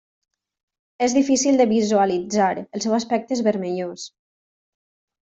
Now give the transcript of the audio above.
És difícil de visualitzar, el seu aspecte és vermellós.